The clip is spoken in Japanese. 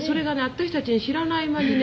私たちに知らない間にね